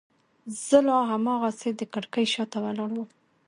زه لا هماغسې د کړکۍ شاته ولاړ وم.